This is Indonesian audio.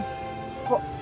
boleh nunggu ya